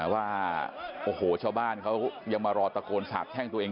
ว่าโอ้โหชาวบ้านเขายังมารอตะโกนสาบแช่งตัวเอง